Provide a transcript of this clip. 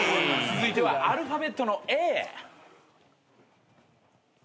続いてはアルファベットのＡ。